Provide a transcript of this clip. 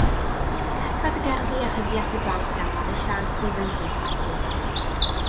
Casgliad o gerddi a rhyddiaith i blant gan Mari Siân Stevens yw Brasluniau.